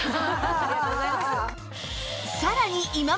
ありがとうございます。